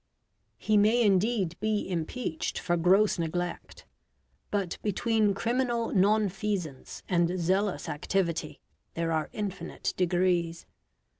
He may indeed be impeached for gross neglect; but between criminal non feasance and zealous activity there are infinite degrees.